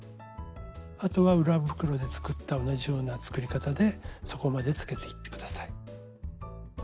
あとは裏袋で作った同じような作り方で底までつけていって下さい。